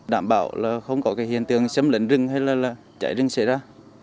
đảm bảo là không có cái hiện tượng xâm lấn rừng hay là cháy rừng xảy ra